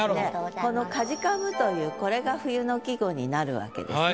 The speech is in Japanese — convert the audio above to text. この「かじかむ」というこれが冬の季語になるわけですね。